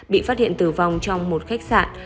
bị phát hiện tử vong trong một khách sạn